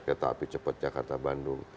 kereta api cepat jakarta bandung